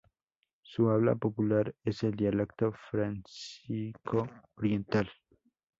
Su habla popular es el dialecto fráncico oriental.